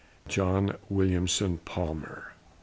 JOHN WILLIAMSON PALMER.